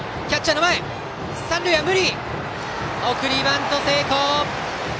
送りバント、成功！